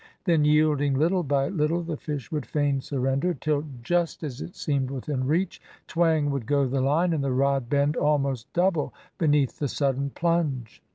Then, yielding little by little, the fish would feign surrender, till just as it seemed within reach, twang would go the line and the rod bend almost double beneath the sudden plunge.